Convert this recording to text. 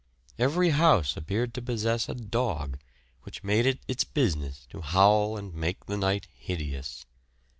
Every house appeared to possess a dog, which made it its business to howl and make the night hideous.